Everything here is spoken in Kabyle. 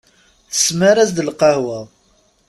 Tesmar-as-d lqahwa.